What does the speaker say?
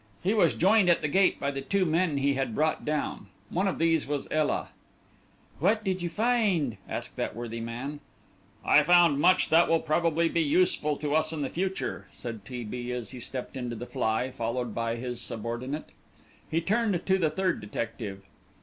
He was joined at the gate by the two men he had brought down. One of these was Ela. "What did you find?" asked that worthy man. "I found much that will probably be useful to us in the future," said T. B., as he stepped into the fly, followed by his subordinate. He turned to the third detective.